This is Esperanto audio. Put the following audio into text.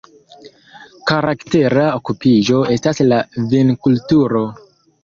Karaktera okupiĝo estas la vinkulturo.